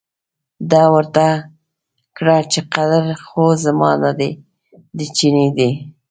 ده ورته کړه چې قدر خو زما نه دی، د چپنې دی.